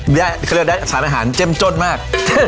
เขาเรียกว่าสารอาหารเจ็มจนมาก